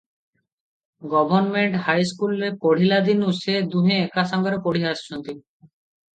Government ହାଇସ୍କୁଲରେ ପଢ଼ିଲା ଦିନୁଁ ସେ ଦୁହେଁ ଏକାସାଙ୍ଗରେ ପଢ଼ି ଆସୁଛନ୍ତି ।